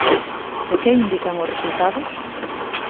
E que indican os resultados?